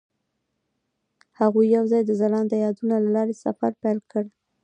هغوی یوځای د ځلانده یادونه له لارې سفر پیل کړ.